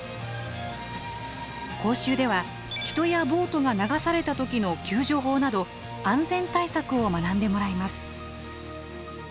講習では人やボートが流された時の救助法など安全対策を学んでもらいます。